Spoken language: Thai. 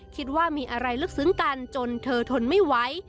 คิดว่ามีอะไรลึกซึ้งกันจนเธอทนไม่ไหว